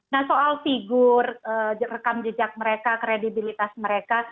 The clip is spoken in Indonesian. nah soal figur rekam jejak mereka kredibilitas mereka